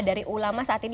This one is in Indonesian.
dari ulama saat ini